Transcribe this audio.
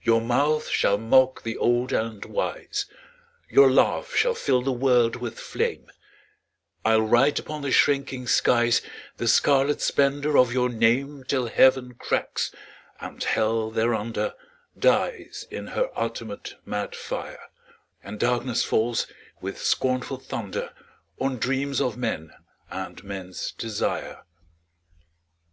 Your mouth shall mock the old and wise, Your laugh shall fill the world with flame, I'll write upon the shrinking skies The scarlet splendour of your name, Till Heaven cracks, and Hell thereunder Dies in her ultimate mad fire, And darkness falls, with scornful thunder, On dreams of men and men's desire.